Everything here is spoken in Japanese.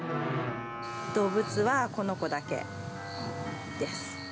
動物はこの子だけです。